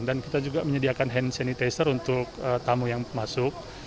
dan kita juga menyediakan hand sanitizer untuk tamu yang masuk